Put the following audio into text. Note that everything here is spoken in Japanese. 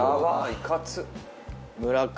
いかつっ。